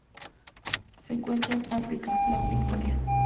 Se encuentran en África: lago Victoria.